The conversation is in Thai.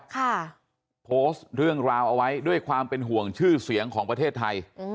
โพสต์เรื่องราวเอาไว้ด้วยความเป็นห่วงชื่อเสียงของประเทศไทยอืม